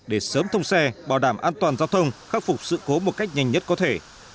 để sớm thông xe bảo đảm an toàn giao thông khắc phục sự cố một cách nhanh nhất có thể